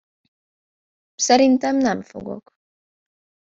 Szerintem nem fogok.